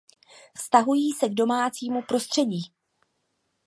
Vztahují se k domácímu prostředí.